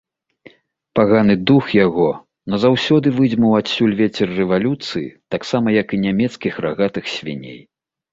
Паганы дух яго назаўсёды выдзьмуў адсюль вецер рэвалюцыі, таксама як і нямецкіх рагатых свіней.